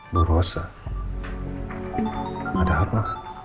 bu rosa ada apa